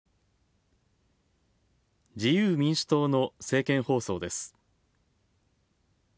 自由民主党の政見放送です。